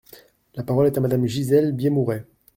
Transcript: La parole est à Madame Gisèle Biémouret.